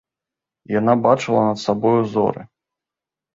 Яна бачыла над сабою зоры.